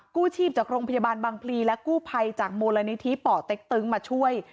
กู้ชีพจากโรงพยาบาลบังพลีและกู้ภัยจากมาช่วย